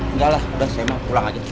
nggak lah udah saya mau pulang aja